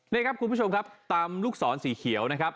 นี่ครับคุณผู้ชมครับตามลูกศรสีเขียวนะครับ